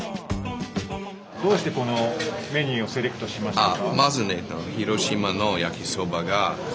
どうしてこのメニューをセレクトしましたか？